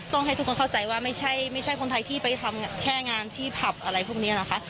ให้ทุกคนเข้าใจว่าไม่ใช่คนไทยที่ไปทำแค่งานที่ผับอะไรพวกนี้นะคะ